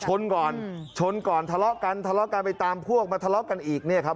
ชนก่อนชนก่อนทะเลาะกันทะเลาะกันไปตามพวกมาทะเลาะกันอีกเนี่ยครับ